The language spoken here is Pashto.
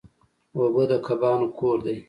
اوبه د کبانو کور دی.